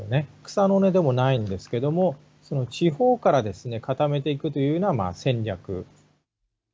草の根でもないんですけども、地方から固めていくというような戦略。